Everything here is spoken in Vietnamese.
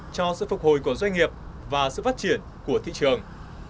cho sự phục hồi của doanh nghiệp và sự phát triển của thị trường